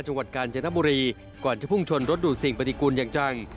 จังหวัดกาญจนบุรีก่อนจะพุ่งชนรถดูดสิ่งปฏิกูลอย่างจัง